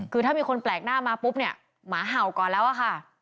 คือถ้ามีคนแปลกหน้ามาปุ๊บเนี่ยหมาเห่าก่อนแล้วอะค่ะ